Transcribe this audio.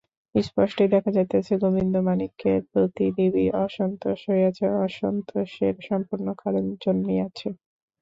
স্পষ্টই দেখা যাইতেছে, গোবিন্দমাণিক্যের প্রতি দেবীর অসন্তোষ হইয়াছে, অসন্তোষের সম্পূর্ণ কারণও জন্মিয়াছে।